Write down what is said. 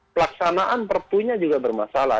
pelaksanaan perpunya juga bermasalah